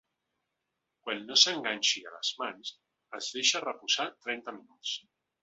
Quan no s’enganxi a les mans, es deixa reposar trenta minuts.